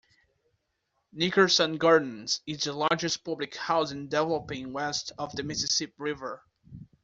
Nickerson Gardens is the largest public housing development west of the Mississippi River.